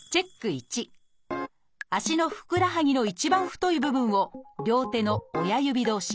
１足のふくらはぎの一番太い部分を両手の親指同士